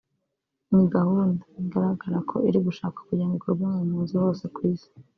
ni gahunda bigaragara ko iri gushakwa kugira ngo ikorwe mu mpunzi hose ku Isi